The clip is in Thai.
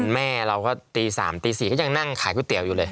แม่เราก็ตี๓ตี๔ก็ยังนั่งขายก๋วยเตี๋ยวอยู่เลย